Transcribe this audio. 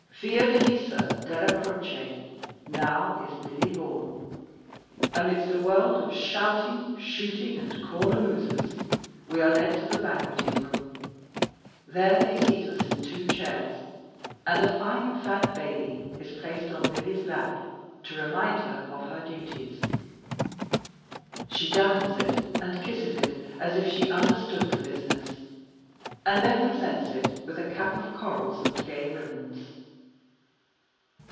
Fiordalisa Della Croce now is Lily Vaughan; amidst a world of shouting, shooting, and cornamusas, we are led to the banqueting room; there they seat us in two chairs, and a fine fat baby is placed on Lily's lap, to remind her of her duties. She dandles it, and kisses it as if she understood the business, and then presents it with a cap of corals and gay ribbons.